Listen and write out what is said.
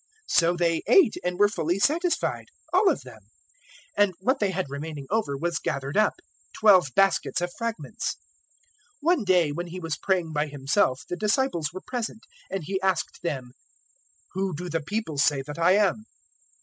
009:017 So they ate and were fully satisfied, all of them; and what they had remaining over was gathered up, twelve baskets of fragments. 009:018 One day when He was praying by Himself the disciples were present; and He asked them, "Who do the people say that I am?"